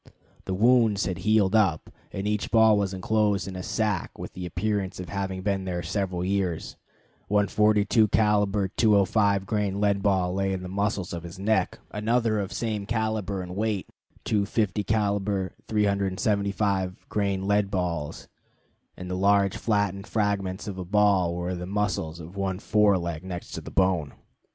The wounds had healed up, and each ball was inclosed in a sac with the appearance of having been there several years: one 42 caliber 205 grain lead ball lay in the muscles of the neck, another of same caliber and weight, two 50 caliber 375 grain lead balls, and the large flattened fragment of a ball were in the muscles of one fore leg next to the bone.